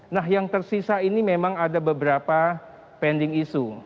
nah yang tersisa ini memang ada beberapa pending isu